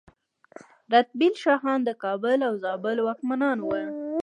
رتبیل شاهان د کابل او زابل واکمنان وو